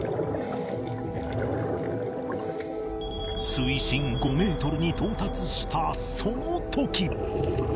水深５メートルに到達したその時